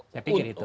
saya pikir itu